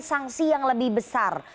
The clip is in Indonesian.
saksi yang lebih besar